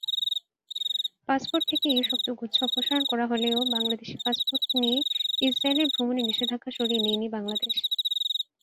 Passport থেকে এই শব্দগুচ্ছ অপসারণ করা হলেও বাংলাদেশি পাসপোর্ট নিয়ে ইসরায়েলে ভ্রমণের নিষেধাজ্ঞা সরিয়ে নেয়নি বাংলাদেশ।